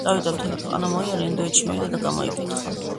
წავიდა, მთელი ქვეყანა მოიარა, ინდოეთში მივიდა და გამოიკითხა